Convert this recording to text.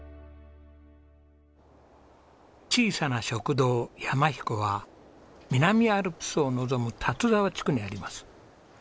小さな食堂山ひこは南アルプスを望む立沢地区にあります。